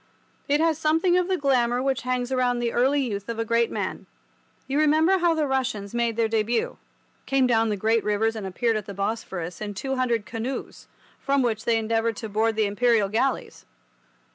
It has something of the glamour which hangs round the early youth of a great man. You remember how the Russians made their debut—came down the great rivers and appeared at the Bosphorus in two hundred canoes, from which they endeavoured to board the Imperial galleys.